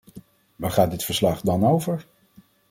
Waar gaat dit verslag dan over?